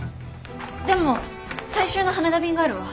でも最終の羽田便があるわ。